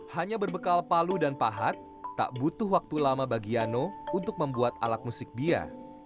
hanya berbekal palu dan pahat tak butuh waktu lama bagi yano untuk membuat alat musik bia